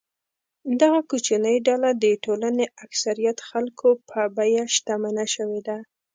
دغه کوچنۍ ډله د ټولنې اکثریت خلکو په بیه شتمنه شوې ده.